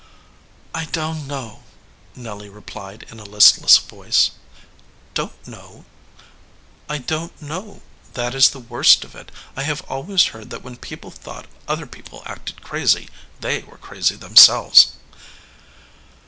"I don t know," Nelly replied in a listless voice. "Don t know?" "I don t know. That is the worst of it. I have always heard that when people thought other peo ple acted crazy, they were crazy themselves."